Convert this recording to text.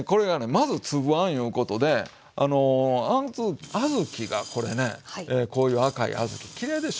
まず粒あんいうことであの小豆がこれねこういう赤い小豆きれいでしょう？